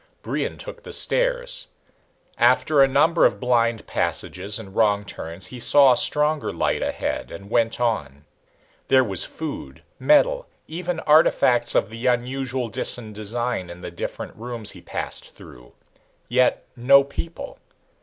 Brion took the stairs. After a number of blind passages and wrong turns he saw a stronger light ahead, and went on. There was food, metal, even artifacts of the unusual Disan design in the different rooms he passed through. Yet no people.